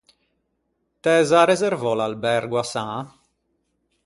T’æ za reservou l’albergo à Saña?